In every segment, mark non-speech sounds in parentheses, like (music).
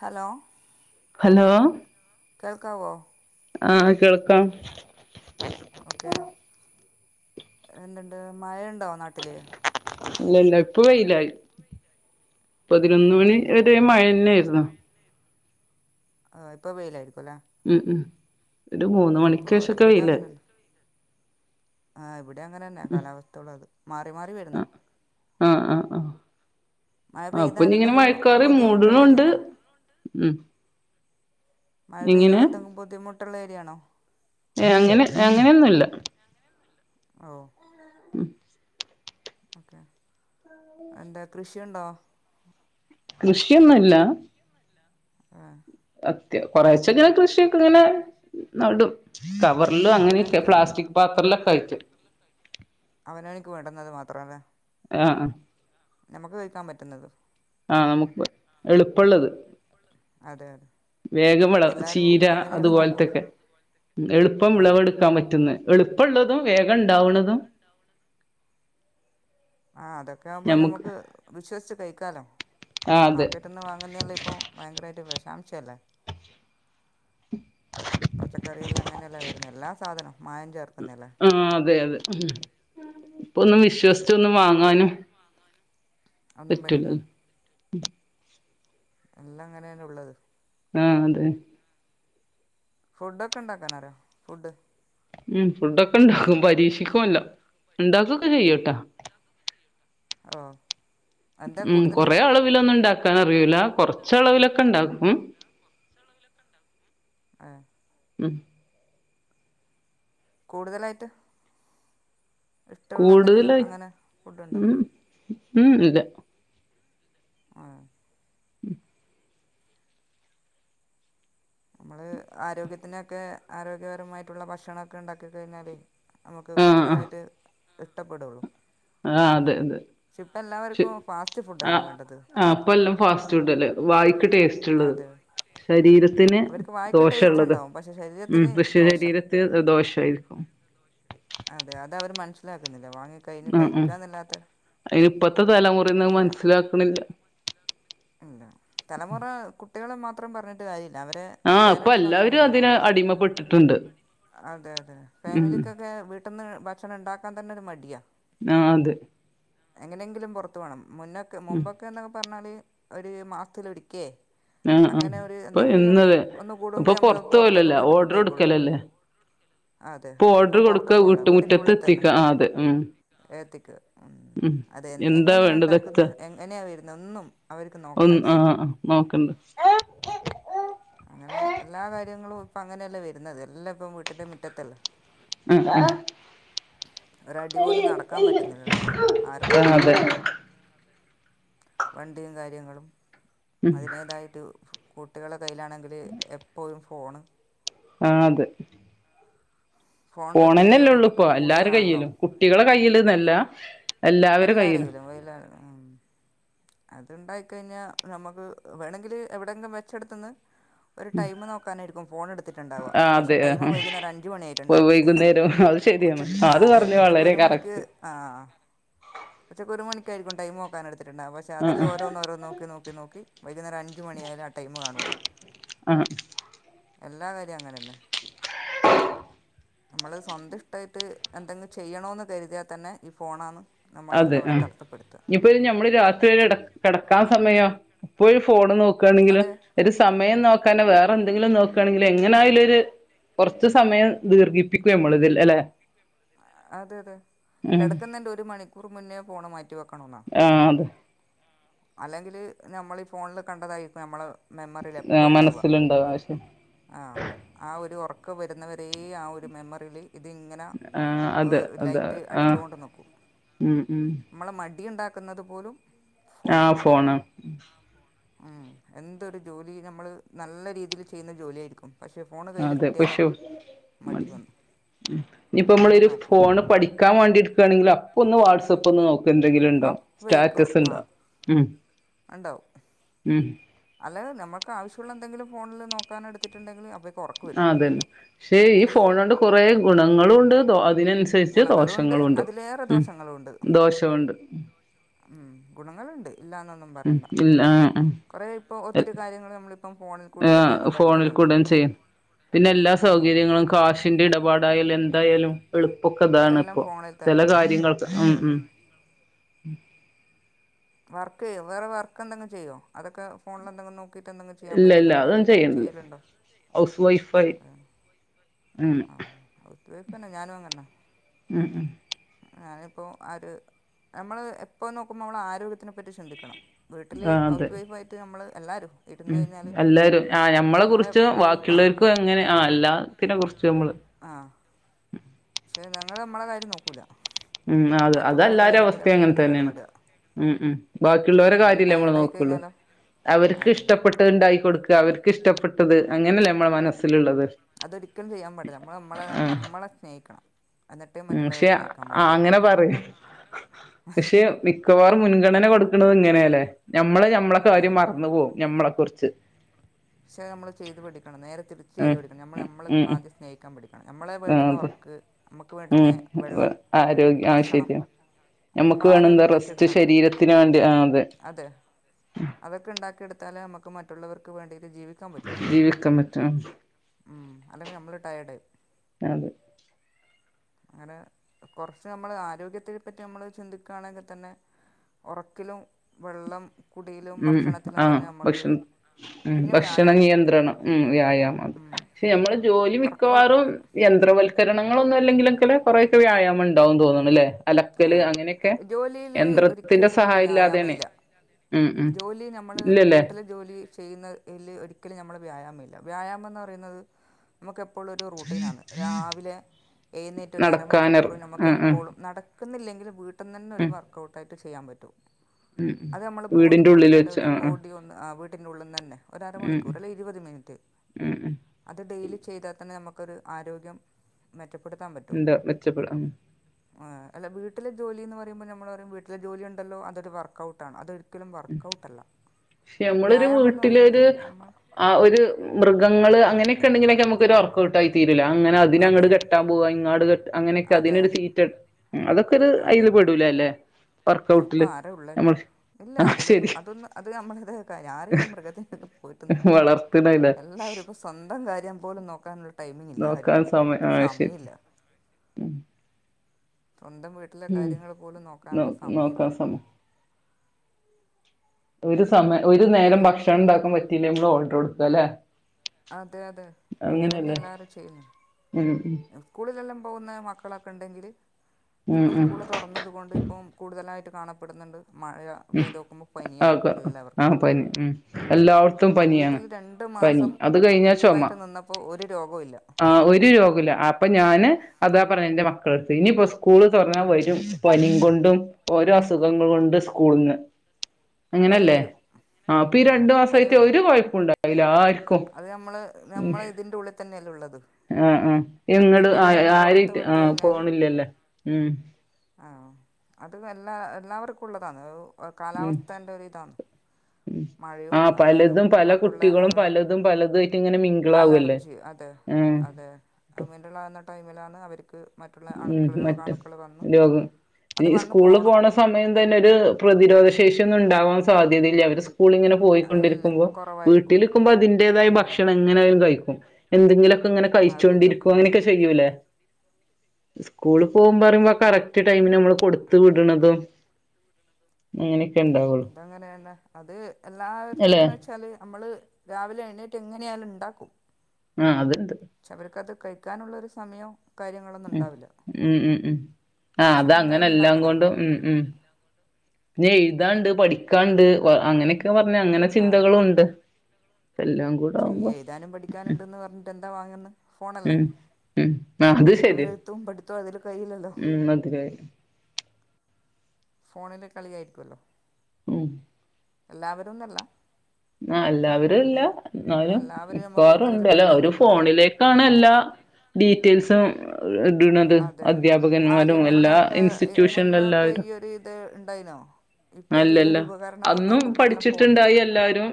Hello? Hello? കേൾക്കാവോ? ആഹ് കേൾക്കാം. ഓക്കെ എന്തണ്ട് മഴെണ്ടോ നാട്ടില്? ഇല്ല ഇല്ല ഇപ്പൊ വെയിലായി. ഓ പതിനൊന്ന് മണി ഒരെ മഴന്നേര്ന്നു. ആ ഇപ്പൊ വെയിലായിരിക്കുംല്ലേ. ഉം, ഉം ഒരു മൂന്ന് മണിക്ക് ശേഷക്കെ ഇവിടെ വെയിലായി. അങ്ങനെ തന്നെ ആ ഇവിടെ അങ്ങനന്നെ കാലാവസ്ഥള് അത് മാറി മാറി വരുന്ന്. ആ ആ മഴ ആ പെയ്താൽ അപ്പൊനിങ്ങനെ എന്തെങ്കിലും മഴക്കാറ് ബുദ്ധിമുട്ടുള്ള മൂട്ണുണ്ട്. ഏരിയയാണോ ഉം. മഴ എങ്ങനെ പെയ്താൽ എന്തെങ്കിലും ബുദ്ധിമുട്ടുള്ള ഏരിയാണോ? ഏ അങ്ങനെ അങ്ങനെയൊന്നുല്ല. ഓ. ഉം. ഓക്കെ എന്താ കൃഷിയുണ്ടോ? കൃഷിയൊന്നുല്ല. ആഹ അത്യാ കൊറേച്ച ഇങ്ങനെ കൃഷിയൊക്കെ ഇങ്ങനെ ന്നടും കവറൽ അങ്ങനെയൊക്കെ അവനവനിക്ക് പ്ലാസ്റ്റിക് പാത്രിലൊക്കെ ആയിട്ട് അവനാനിക്ക് വേണ്ടന്നത് മാത്രംല്ലേ ആഹ നമുക്ക് കേഴിക്കാൻ പറ്റുന്നത് ആഹ നമുക്ക് എളുപ്പള്ളത് അതെ അതെ വേഗം വള ഇപ്പം എല്ലാവരും ചീര അങ്ങനെയല്ലേ നോക്കുള്ളൂ അതുപോലത്തൊക്കെ എളുപ്പം ആ വിളവെടുക്കാൻ പറ്റുന്നെ എളുപ്പള്ളതും വേഗം ണ്ടാവുണതും ആഹ അതൊക്കെ ആകുമ്പോൾ ഞമ്മുക്ക് നമുക്ക് വിശ്വസിച്ച് കഴിക്കാലോ ആ അതെ മാർക്കറ്റിൽ നിന്ന് വാങ്ങുന്നല്ല ഇപ്പോൾ ഭയങ്കര ആയിട്ട് ഒരു വിഷാംശം അല്ലേ പച്ചക്കറിയെല്ലാം അങ്ങനെയെല്ലാം വരുന്ന എല്ലാ സാധനം മായം ചേർക്കുന്നല്ലേ ആഹ അതെ അതെ ഇപ്പൊ ഒന്ന് വിശ്വസിച്ച് ഒന്ന് വാങ്ങാനും ഒന്നും പറ്റില്ല പറ്റൂലല്ലോ എല്ലാം അങ്ങനെയന്ന ഉള്ളത് ആഹ അതെ ഫുഡൊക്കെണ്ടാക്കാനറിയാ ഫുഡ് ഉം ഫുഡൊക്കെ ഉണ്ടാക്കും പരീക്ഷിക്കുമല്ലോ ഉണ്ടാക്കുക ചെയ്യോട്ടാ ഓ എന്താ ഉം കൊറെേ കൂടുതലിഷ്ടം അളവിലൊന്നും ഇണ്ടാക്ക അറിയൂല കുറച്ച അളവിലൊക്കെ ണ്ടകും ആഹ ഉം കൂടുതലായിട്ട് ഇഷ്ടമുള്ള എന്തെങ്കിലും കൂടുതലായി അങ്ങനെ ഫുഡ് ഉണ്ടോ ഉം ഉം ണ്ട് ആഹ ഉം നമ്മള് ആരോഗ്യത്തിനൊക്കെ ആരോഗ്യപരമായിട്ടുള്ള ഭക്ഷണൊക്കെ ഉണ്ടാക്ക കഴിഞ്ഞാല് നമുക്ക് ആ കൂടുതലായിട്ട് ഇഷ്ടപ്പെടുള്ളൂ ആഹ അതെ അതെ ഇപ്പ എല്ലാവർക്കും ഫാസ്റ്റ് ഫുഡ്ല്ല വേണ്ടത് ആഹ അപ്പ എല്ലാം ഫാസ്റ്റ് ഫുഡ്ല്ലേ വായിക്ക് ടേസ്റ്റ് ള്ളത് അതെ ശരീരത്തിന് അവർക്ക് വായിക്ക് ദോഷ ടേസ്റ്റ് ഉള്ളത് ഉണ്ടാവും പക്ഷെ ഉം ശരീരത്തിന് കൃഷി ദോഷം ശരീര ദോഷയിരിക്കും ആഹ അതെ അത അവർ മനസ്സിലാക്കുന്നില്ല വാങ്ങിക്ക ഉം ഉം അയിനി ഇപ്പത്തെ തലമുറന്ന് പക്ഷെ മനസ്സിലാക്കണില്ല ഇല്ല തലമുറ കുട്ടികൾ മാത്രം പറഞ്ഞിട്ട് കാര്യമില്ല അവ ആ ഇപ്പൊ പേരൻസും എല്ലാവരും അതിന് അങ്ങനെയാണുള്ളത് അടിമപ്പെട്ടിട്ടുണ്ട് അതെ അതെ ഉം ഫാമിലിക്കൊക്കെ വീട്ടന്ന് ഭക്ഷണംണ്ടാക്കാൻ തന്നെ ഒരു മടിയാ ആഹ അതെ എങ്ങനെങ്കിലും പുറത്തു വേണം മുന്നൊക്കെ ഉം മുമ്പൊക്കെ എന്നൊക്കെ പറഞ്ഞാല് ഒരു മാസത്തിൽ ഒരിക ആ ആ അങ്ങനെ ഒരു ഇപ്പൊ എന്തെങ്കിലും എന്നത് ഒന്ന് കൂടുമ്പ ഇപ്പൊ നമ്മള് പുറത്ത് പുറത്തൊക്കെ പോലല്ല പോയിട്ട് ഓർഡർ ഫുഡ് ആയിക്കള്ളൂ കൊടുക്കലല്ലേ ആഹ അതെ ഇപ്പൊ ഓർഡർ ഇപ്പം പുറത്തും കൊടുക്ക പോണ്ട വീട്ടിന്റെ വീട്ടുമുറ്റത്ത് ഉള്ളിൽ തന്നെ എത്തിക്ക ആ അതെ ഉം ഏത്തിക്ക ഉം അത് എഹ എന്താ എങ്ങനെയാ വേണ്ടത് ഉണ്ടാക്കുന്നത് എങ്ങനെയാ വരുന്നത് ഒന്നും അവർക്ക് നോക്കേണ്ട ഒന്ന് ആ ആവശ്യല്ല ആ നോക്കണ്ട് ആ അങ്ങനെ എല്ലാ കാര്യങ്ങളും ഇപ്പ അങ്ങനെയല്ലേ വരുന്നത് എല്ലാ ഇപ്പം വീട്ടിന്റെ മുറ്റത്തല്ലെ ആ ഒരടി പോലും നടക്കാൻ പറ്റുന്നില്ലല്ലോ ആർക്കും ആ അതെ കാര്യങ്ങളും ഉം അതിതായിട്ട് കുട്ടികളുടെ കയ്യിലാണെങ്കിൽ എപ്പോഴും ഫോൺ ആഹ് അതെ ഫോണൻ്റെ ഒക്കെ ഫോണന്നെല്ലേ ഉപയോഗം ഉള്ളൂ ഇപ്പോൾ ഇപ്പൊ എല്ലാരെ കൂടുതലാണല്ലോ കയ്യിലും കുട്ടികളെ കയ്ൽ നല്ല എല്ലാര കൈയിലും അത്ണ്ടായി കഴിഞ്ഞാ നമുക്ക് വേണെങ്കില് എവിടെങ്കിലും വെച്ചെടുത്തന്ന് ഒരു ടൈം മ് നോക്കാനായിരിക്കും ഫോൺ എടുത്തിട്ടുണ്ടാവുക ആ പക്ഷേ അതെ ടൈമ് ആ വൈകുന്നേരം അഞ്ച് മണിആയിട്ടുണ്ടാവും വൈകുന്നേരം അത് ശരിയാണ് ഉച്ചക്ക് ആഹ് അത് അതെ പറഞ്ഞു ഉച്ചക്ക് വളരെ ഒരു മണിക്ക് കറക്റ്റ് ആഹ് ഉച്ചക്ക് ഒരു മണിക്കായിരിക്കും ടൈം നോക്കാൻ എടുത്തിട്ടുണ്ടാവ പക്ഷെ ആ അതിൽ ആ ഓരോന്ന് ഓരോന്ന് നോക്കി നോക്കി നോക്കി വൈകുന്നേരം അഞ്ച് മണി ആയാലേ ആ ടൈമ്കാണുള്ളൂ ആ എല്ലാ കാര്യവും അങ്ങനെ തന്നെ നമ്മള് സ്വന്തം ഇഷ്ടായിട്ട് എന്തെങ്കും ചെയ്യണോന്ന് കരുതിയാൽ തന്നെ ഈ ഫോണാണ് നമ്മളെ അവിടെ തടത്തപ്പെടും ഇപ്പൊ നമ്മള് രാത്രിരെ കിടക്കാൻ സമയം ഇപ്പോഴും ഫോണ് നോക്കുകയാണെങ്കില് അതെ ഒരു സമയം നോക്കാൻ വേറെ എന്തെങ്കിലും നോക്കുകയാണെങ്കിൽ എങ്ങനെ ആയാലും ഒരു കുറച്ചു സമയം ദീർഘി പിക്കു നമ്മളിതില്ല അല്ലെ അതെ അതെ ഉം കിടക്കുന്നുണ്ട് ഒരു മണിക്കൂർ മുന്നേ ഫോണ് മാറ്റി വെക്കണ എന്നാ ആഹ് അതെ അല്ലെങ്കില് നമ്മൾ ഈ ഫോണില് കണ്ടതായിരിക്കും നമ്മളെ മെമ്മറിൽ എപ്പ ആഹ് ഉണ്ടാവുക മനസ്സിലുണ്ടാവും ആശയം ആഹ് ആ ഒരു ഉറക്ക വരുന്നവരെയ ആ ഒരു മെമ്മറിൽ ഇത്ങ്ങനെ ആഹ് അതെ അതെ ലൈറ്റ് ആഹ് അടിച്ചൊണ്ട് നോക്കൂ ഉം ഉം നമ്മള് മടി ഉണ്ടാക്കുന്നത് പോലും ആഹ് ഫോണാണ് ഫോണ് ഉം എന്തരു ജോലി നമ്മള് നല്ല രീതിയിൽ ചെയ്യുന്ന ജോലിയ ആയിരിക്കും പക്ഷേ ഫോണ് കയ്യിൽ അതെ കിട്ടിയാലോ മടി വന്നു ഉം ഇനിയിപ്പോ നമ്മള ഒന്നും ഒരു നോക്കൂല ഫോൺ പഠിക്കാൻ വേണ്ടി എടുക്കയാണെങ്കിൽ അപ്പൊന്ന് വാട്സആപ്പ് ഒന്ന് നോക്ക എന്തെങ്കിലും ഉണ്ടോ വേക്കൂ സ്റ്റാറ്റസ് ഉണ്ടോ ആഹ് ഉം ഉണ്ടാവ ഉം അല്ലെ നമുക്ക് ആവശ്യമുള്ള എന്തെങ്കിലും ഫോണില് നോക്കൻ എടുത്തിട്ടുണ്ടെങ്കിൽ ഉറക്കം വരും അതന്നെ പക്ഷെ ഈ ഫോണ കൊണ്ട് കുറെ ഗുണങ്ങള ഉണ്ട് അതിനനുസരിച്ച് ഗുണങ്ങളും ഉണ്ട് ദോഷങ്ങളുണ്ട് അതിലേറെ ഉ ദോഷങ്ങളും ദോഷമുണ്ട് ഉം ഗുണങ്ങളുണ്ട് ഇല്ലാന്നൊന്നും പറയാം ഇല്ല ആഹ് ആഹ് കുറെേ ഇപ്പൊ ഒത്തിരി കാര്യങ്ങൾ നമ്മളിപ്പം ഫോണിൽ കൂടെ തന്നെയാണ് ആഹ് ഫോണിൽ പഠിക്കുന്നത് കൂടേം ചെയ്യും പിന്നെ എല്ലാ ആഹ് പിന്നെ സൗകര്യങ്ങളും എല്ലാ കാശിന്റെ സൗകര്യങ്ങളും ഇടപാടായാലും കാശിന്റെ എന്തായാലും എളുപ്പൊക്കെ എടപാടുകൾ ഇതാണ് എല്ലാം ഇപ്പൊ ഫോണിൽ ചെല തന്നെയാണ് കാര്യങ്ങൾക്ക് അതെ ഉം അതെ ഉം വർക്ക് ചെയ്യോ വേറെ വർക്ക് എന്തെങ്കും ചെയ്യോ അതൊക്കെ ഫോണ്എന്തങ്കിലും നോ നോക്കിട്ട് എന്തെങ്കിലും ചെയ്യാൻ ഇല്ല ഇല്ല പറ്റുന്നാണോ അതൊന്നും ചെയ്യണില്ല ചെയ്യലുണ്ടോ ഹൗസ് വൈഫായി അങ്ങനെ ആഹ് ഒത്ത വപ്പന്നെ ഞാനും അങ്ങന തന്നെ ഉം ഉം ഞാനിപ്പോ ആര് നമ്മള് എപ്പോ നോക്കുമ്പോൾ നമ്മൾ ആരോഗ്യത്തിനെപ്പറ്റി ചിന്തിക്കണം വീട്ടിൽ ആഹ് അതെ ഹൗസ് വൈഫായിട്ട് നമ്മൾ എല്ലാവരും ഇരുന്ന് ഉം കഴിഞ്ഞാൽ എല്ലരും ആഹ് ഞമ്മളെ കുറിച്ച് നമ്മളെപ്പോഴും ബാക്കിയുള്ളവർക്കും എങ്ങനെ ആഹ് അല്ലാ ആഹ് പക്ഷെ ഞങ്ങള് നമ്മളെ കാര്യം നോക്കൂല. ഉം അത അതല്ലര അവസ്ഥി അങ്ങനെ കൂടുതൽ തന്നെണ്. ഇടപെടുക ഉം ഉം പക്ഷെ ബാക്കിള്ളരെ കാര്യല്ലേ നമ്മൾ ടയേർഡായി നോക്കുള്ളൂ കഴിഞ്ഞാലോ അവർക്ക് അത് ഇഷ്ടപ്പെട്ട ണ്ടായി കൊടുക അവർക്ക് ഇഷ്ടപ്പെട്ടത് അങ്ങനെല്ലേ നമ്മടെ മനസ്സിലിള്ളത്. അതൊരിക്കലും ചെയ്യാൻ പാടില്ല നമ്മള നമ്മളെ നമ്മളെ സ്നേഹിക്കണം. എന്നിട്ടേ മറ്റുള്ളവരെ ക്ഷെ സ്നേഹിക്കാൻ ആഹ് പാടുള്ളൂ അങ്ങനെ പറയ് പക്ഷെ മിക്കവാറും മുൻഗണന കൊടുക്ക്‌ണത് ഇങ്ങനെല്ലേ നമ്മളെ നമ്മള ആ കാര്യം മറന്നു പോവും നമ്മളെ കുറിച്ച്. പക്ഷെ നമ്മൾ ചെയ്ത് പടിക്കണം നേരെ തിരിച്ച് ചെയ്ത് പടിക്കണം നമ്മള് നമ്മള് ഉം ഉം ആദ്യം സ്നേഹിക്കാൻ പടിക്കണം നമ്മളെ ആഹ് വേണ്ടുന്ന അതെ ഉറക്ക് നമുക്ക് വേണ്ടുന്ന ഉം വെള്ളം ഭക്ഷണം. നമ്മക്ക് നമ്മളെ വേണം ആരോഗ്യം റെസ്റ്റ് ഉണ്ടാക്കിയെടുക്കണം ശരീരത്തിന് വേണ്ടി ആഹ് അതെ. അവൊക്കെ ണ്ടാക്കിടുത്താലേ നമുക്ക് മറ്റുള്ളവർക്ക് വേണ്ടിയിട്ട് ജീവിക്കാൻ പറ്റുള്ളു. ജീവിക്കാൻ പറ്റും ഉം അല്ലെങ്കി നമ്മള് ടയേഡായി. അതെ. (inaudible) ങ്ങനെ കൊറച്ച് നമ്മള് ആരോഗ്യത്തെ പറ്റി നമ്മള് ചിന്തിക്കണെൽ തന്നെ. ഉറക്കിലും വെള്ളം കുടിയിലും ഉം ഭക്ഷണത്തിലും ആഹ് തന്നെ നമ്മക്ക്. ഭക്ഷണം ഉം ഭക്ഷണ നിയന്ത്രണം ഉം വ്യായാമം നമ്മള് ജോലി വർക്കൗട്ട് മിക്കവാറും. യന്ത്രവൽക്കരണങ്ങളൊന്നും അല്ലെങ്കിലൊക്കെ കൊറെയൊക്കെ വ്യായാമം ഉണ്ടാവുംന്ന് തോന്നുണു അല്ലേ. ആഹ് ജോലിയില് യന്ത്രത്തിന്റെ ഒരിക്കലു നമ്മുക്ക് സഹായം ഇല്ലാതെയാണ് വ്യായാമല്ല. ഉം ഉം ജോലി നമ്മള് ഇല്ലല്ലേ വീട്ടിൽ ജോലി ചെയ്യുന്നതിൽ ഒരിക്കലും നമ്മള് വ്യായാമംല്ല വ്യായാമം ന്ന് പറയുന്നത്. നമുക്ക എപ്പോഴുരു റൂട്ടീനാണ് രാവിലെ എഴുന്നേറ്റ് ഒരു നടക്കാനർ അരമണിക്കൂർ നമുക്ക ആ ആ എപ്പോഴും നട നിക്കുന്നില്ലെങ്കിൽ വീട്ടന്ന ന്നെ ഒരു ഉം വർക്കഔട്ടയിട്ട് ചെയ്യൻ പറ്റോ. ഉം അത് നമ്മള് വീടിന്റെ ബോഡിക്ക് ഉള്ളിൽ കൊടുക്കേണ്ട വെച്ച് ഒരു ആ ആ ബോഡി വീട്ടന്റെ ഉള്ളിന്നന്നെ ഉം ഒരരമണിക്കൂർ ല്ലെ ഇരുപത് മിനിറ്റ്. ഉം ഉം അത് ഡെയിലി ചെയ്താ തന്നെ നമുക്കൊരു ആരോഗ്യം മെച്ചപ്പെടുത്താൻ പറ്റൂ. എന്താ മെച്ചപ്പെടാം ആഹ് അല്ല വീട്ടിലെ ജോലി എന്ന് പറയുമ്പോ നമ്മള് പറിം വീട്ടിലെ ജോലി ഉണ്ടല്ലോ അതൊരു വർക്ക്ഔട്ടാണ്ണ് അത് എ ഒരിക്കലും വർക്കഔട്ടല്ല വ്യായാമംന്ന് പറയ്ണത് നമ്മൾ. ആഹ് ഒരു മൃഗങ്ങള് അങ്ങനെയൊക്കെ ഉണ്ടെങ്കിലൊക്കെ നമുക്കൊരുറ ഒട്ടായി തീരില്ല അങ്ങനെ അതിന് അതെ അങ്ങട് കെട്ടാൻ പോവാ ഇങ്ങട് അങ്ങനെക്കെ അതെ അതിനൊരു സീറ്റ് ഉം അതൊക്കെരു ഇത് അയിൽ അതെ പേടൂലല്ലേ ഇപ്പം വർക്ക്ഔട്ടില് ആരാ ഉള്ളത് നമ്മ ഇല്ല അതിലൊന്നും അതൊന്ന് അത് നമ്മള ഇത ഞാ പ്പ മൃഗത്തിയൊക്കെ പോയിട്ടന്ന് ഇല്ല. സ്വന്തം കാര്യം പോലും നോക്കാന്ള്ള ടൈമിങ്ങല്ല നോക്കാൻ ആർക്കും സമയം ആ ശരി സമയമ്ല്ല. സ്വന്തം വീട്ടിലെ ഉം കാര്യങ്ങള് പോലും നോ നോക്കാന്ള്ള സമയില്ല. നോക്കാൻ സമയം ഒരു സമയം ഒരു നേരം സ്കൂളിൽ ഭക്ഷണം ഉണ്ടാക്കാൻ പറ്റില്ലേ നമ്മള് ഓർഡർ കൊടുക്കല്ലേ. അതെ അതെ അങ്ങനെന്നെ എല്ലാരും ചെയ്യുന്ന്. ഉം ഉം. സ്കൂളിലെല്ലാം പോകുന്ന മക്കളൊക്കെ ണ്ടെങ്കില് ഉം ഇപ്പോ ഉം സ്കൂള് തുറ തുറന്നത് കൊണ്ട് ഇപ്പം കൂടുതലായിട്ട് കാണപ്പെടുന്നുണ്ട് മഴ. ഉം പെയ്ത് നോക്കുമ്പോൾ പനിയാണ് ആക്കെ എല്ലാവർക്കും ആഹ് പനി ഉം എല്ല ത്തും പനിയാണ്, വീട്ടിൽ പനി അത് കഴിഞ്ഞാ ചൊമ പ്പൊ ഒരു രോഗോല്ല. ആഹ് ഒര് രോഗോല്ല അപ്പൊ ഞാന് അതാ പറഞ്ഞെ ന്റെ മക്കളെട്ത്ത്, ഇനിപ്പോ സ്കൂള് തൊർന്ന വരും പനിങ്കൊണ്ടും ഓരോ അസുഖങ്ങള് കൊണ്ട് സ്കൂള്ന്ന് പനി അങ്ങനെല്ലേ വരും ആഹ് പ്പൊ ഈ ഉം രണ്ട് പനി മാസായിട്ട് വരും ഒരു കൊഴപ്പുണ്ടായീല ആര് അത് നമ്മള് നമ്മളെ ഇതിന്റെ ഉള്ളി തന്നെല്ലുള്ളത്. ആഹ്, ആഹ് ഇങ്ങള് ആയ ആരെയ്റ്റ് വിട്ട് ആഹ് പോണില്ലല്ലേ ഉം. ആഹ്, അത് എല്ലാ എല്ലാവർക്കുള്ളതാന്ന്. അയ് ഉം കാലാവസ്ഥൻ്റൊരിതാന്ന്. ഉം മഴയും ആ അല്ലാരും പലതും പല മറ്റുള്ള കുട്ടികളും അവരുടെ പലതും പലതുമായിട്ട് ഇങ്ങനെ മിംഗിളാവല്ലേ അലർജി അതെ ഉം അതെ ആമിൻ്റള്ളാകുന്ന ടൈമിലാണ് അവര്ക്ക് മറ്റുള്ള ഉം അണുക്കള് മറ്റ് രോഗാണുക്കള് വന്ന് രോഗം അത് ഈ വന്ന് സ്കൂളിൽ പോണം. പോണ സമയം തന്നെ ഒരു പ്രതിരോധ ശേഷി ഒന്നും ഉണ്ടാവാൻ സാധ്യതയില്ല്യ. അവര് സ്കൂളിങ്ങനെ ഇല്ല പോയിക്കൊണ്ടിരിക്കുമ്പോ കുറവായിരിക്കും വീട്ടില്ക്കുമ്പോ അതിന്റേതായ ഉം ഭക്ഷണം എങ്ങനെ ആയാലും കഴിക്കും. എന്തെങ്കിലൊക്കെങ്ങനെ അത് കിട്ടും കഴിച്ചോണ്ടിരിക്കും ഉം അങ്ങനെയൊക്കെ ചെയ്യൂലേ. സ്കൂള് പോകുമ്പാറിമ്പോ കറക്റ്റ് ടൈമിനമ്മള് കൊട്ത്ത് വിട്ണതും എങ്ങനെ അതങ്ങനെയന്നെ, അത് അല്ലെ എല്ലാവർക്കുംന്ന് വെച്ച് ച്ചാല് അമ്മള് രാവിലെ എഴ്ന്നേറ്റ് എങ്ങനെയാലും ഉണ്ടാക്കും. ആഹ് അത്ണ്ട്. പക്ഷെ അവർക്കത് കഴിക്കാനുള്ളൊരു സമയം ഉം, ഉം, ഉം, ഉം ആഹ് അത ഭക്ഷണം അങ്ങനെ എന്തായാലും എല്ലാം ഉണ്ടാക്കണല്ലോ കൊണ്ടും ഉം ഉം, പിന്നെഎഴുതാണ്ട് പഠിക്കാണ്ട് വ അങ്ങനെക്കെ പർഞ്ഞാ അങ്ങനെ ചിന്തകളുണ്ട് കൂടെ ചെയ് ആവുമ്പോ എഴുതാനും പഠിക്കാനുണ്ട്ന്ന് പറഞ്ഞിട്ട് എന്താ വാങ്ങ്ന്ന് ഫോണല്ലേ ഉം ഉം ആഹ് അത് അവരെ ശരിയാ എഴ്ത്തും പഠിത്തും അതില് കഴിയില്ലല്ലോ ഉം മന്ദ് ലിയായി ഫോണില് കളിയായിരിക്കുവല്ലോ ഉം എല്ലാവരുംന്നല്ല ആ നിക്കാം എല്ലാവരും ഇല്ല ഒര് ന്നാ എന്നാലും എല്ലാവരെയും അമക്ക് മിക്കവാറും ഉണ്ട് അല്ല അതില്പ്പെടുത്താൻ ഒരു പറ്റൂല. ഫോണിലേക്കാണ് ആഹ് എല്ലാ ഡീറ്റെയിൽസും ഇടുന്നത് അതെ അധ്യാപകന്മാരും ആദ്യം എല്ലാ മുന്നൊക്കെ എയ് ഇൻസ്റ്റിറ്റ്യൂഷനിലും മുന്നൊക്കെ എല്ലാവരും ഈ പ്പിത് ഇണ്ടായിനോ ഇപ്പല്ലെ ഈ അല്ലല്ല ഒരു ഉപകരണം അന്നും വന്നോക്കുമ്പം എല്ലാം പഠിച്ചിട്ടുണ്ടായി ഫോണിലേക്ക് എല്ലാരും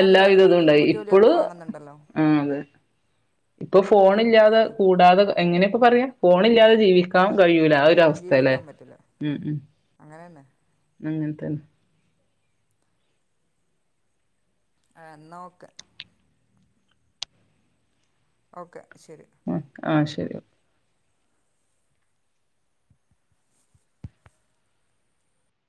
നല്ല ജോലിയൊക്കെ വാങ്ങുന്നുണ്ടല്ലോ ഉം, അതെ ഇപ്പൊ ഫോണില്ല്യാതെ കൂടാതെ എങ്ങനെ ഇപ്പം പറയാ ഫോണില്ല്യാതെ ജീവിക്കാൻ കഴിയൂല അയ് രു അവസ്ഥലേ ജീവിക്കാൻ പറ്റില്ല ഉം ഉം അങ്ങനെന്നെ അങ്ങൻത്തെന്നെ ആഹ് എന്നാ ഓക്കെ. ഓക്കെ, ശരി ആഹ് ആഹ് ശരി ഓ